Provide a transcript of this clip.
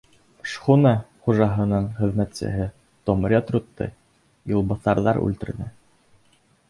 Шхуна хужаһының хеҙмәтсеһе Том Редрутты юлбаҫарҙар үлтерҙе.